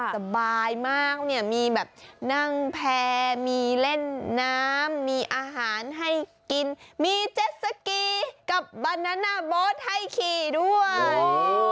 สบายมากเนี่ยมีแบบนั่งแพร่มีเล่นน้ำมีอาหารให้กินมีเจ็ดสกีกับบานาน่าโบ๊ทให้ขี่ด้วย